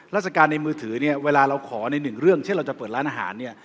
ในการในมือถือเนี่ยเวลาเราขอในหนึ่งเรื่องเช่นเราจะเปิดร้านอาหารเนี่ย